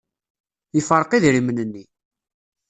Yefreq idrimen-nni.